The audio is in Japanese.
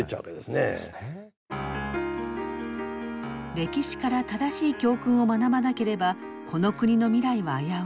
歴史から正しい教訓を学ばなければこの国の未来は危うい。